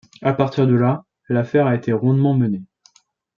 À partir de là, l’affaire a été rondement menée.